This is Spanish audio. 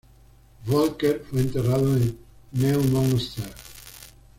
Volker fue enterrado en Neumünster.